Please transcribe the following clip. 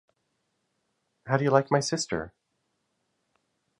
How Do You Like My Sister?